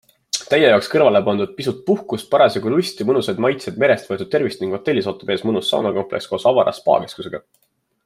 Teie jaoks kõrvale pandud pisut puhkust, parasjagu lusti, mõnusaid maitseid, merest võetud tervist ning hotellis ootab ees mõnus saunakompleks koos avara spaakeskusega!